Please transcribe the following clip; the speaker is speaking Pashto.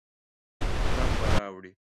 غم به راوړي.